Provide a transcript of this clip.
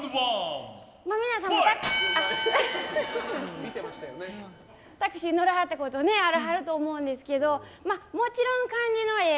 皆さんもタクシー乗らはったことあらはると思うんですけどま、もちろん感じのええ